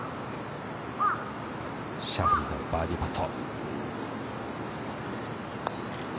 シャフリーのバーディーパット。